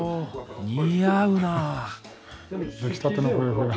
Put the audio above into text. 似合うなあ。